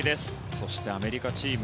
そしてアメリカチーム